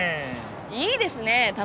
いいですねぇ。